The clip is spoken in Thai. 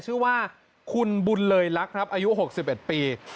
ชื่อว่าคุณบุญเลยลักษณ์ครับอายุ๖๑ปี